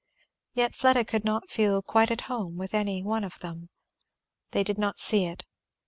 Yet Fleda could not feel quite at home with any one of them. They did not see it.